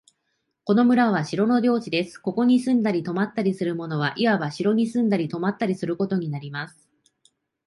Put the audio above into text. この村は城の領地です。ここに住んだり泊ったりする者は、いわば城に住んだり泊ったりすることになります。